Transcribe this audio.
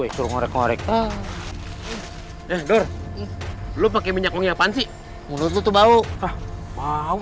ayo sp anlamu jadi angkut kali cyrosse kayaknya sampahnya baru alah berarti kalau